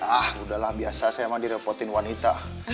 ah udahlah biasa saya emang direpotin wanita